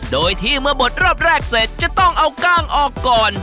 โดยที่เมื่อบดรอบแรกเสร็จจะต้องเอากล้างออกก่อน